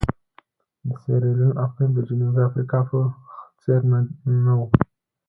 د سیریلیون اقلیم د جنوبي افریقا په څېر نه وو.